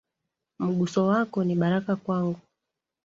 Mguso wako, ni baraka kwangu.